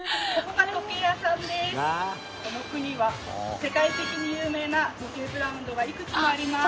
この国は世界的に有名な時計ブランドがいくつもあります。